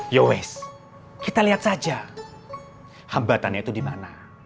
yowes kita lihat saja hambatannya itu dimana